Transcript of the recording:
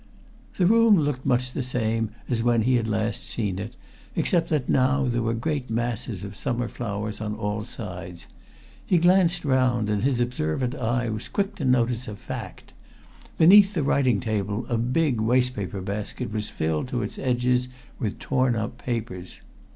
The room looked much the same as when he had last seen it, except that now there were great masses of summer flowers on all sides. He glanced round and his observant eye was quick to notice a fact beneath the writing table a big waste paper basket was filled to its edges with torn up papers.